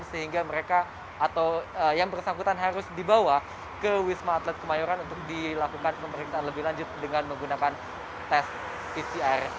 sehingga mereka atau yang bersangkutan harus dibawa ke wisma atlet kemayoran untuk dilakukan pemeriksaan lebih lanjut dengan menggunakan tes pcr